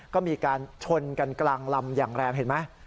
ก็มีการชนกันกลางลำอย่างแรงเห็นไหม